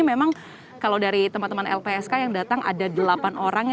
memang kalau dari teman teman lpsk yang datang ada delapan orang